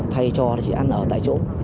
thay cho là chỉ ăn ở tại chỗ